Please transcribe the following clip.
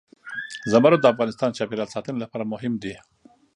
زمرد د افغانستان د چاپیریال ساتنې لپاره مهم دي.